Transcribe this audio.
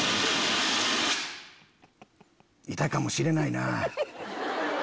いたかもしれないな。